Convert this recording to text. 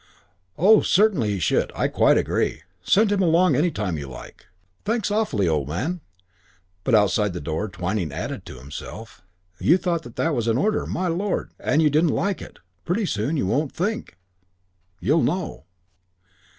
"Oh, certainly he should. I quite agree. Send him along any time you like." "Thanks awfully, old man." But outside the door Twyning added to himself: "You thought that was an order, my lord; and you didn't like it. Pretty soon you won't think. You'll know."